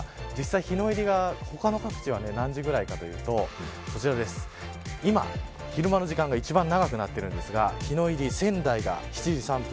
日の入りが、他の各地は何時ぐらいかというとこちらですが今、昼間の時間が一番長くなっているんですが日の入り、仙台が７時３分。